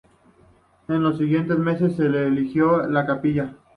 En los siguientes meses se erigió la capilla.